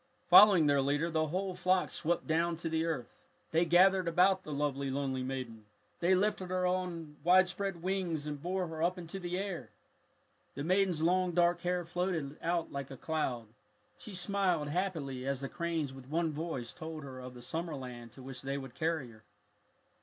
Following their leader, the whole flock swept down to the earth. They gathered about the lovely, lonely maiden. They lifted her on their widespread wings and bore her up into the air. The maiden's long dark hair floated out like a cloud. She smiled happily as the cranes with one voice told her of the summer land to which they would carry her.